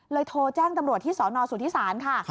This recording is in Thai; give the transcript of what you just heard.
โทรแจ้งตำรวจที่สนสุธิศาลค่ะ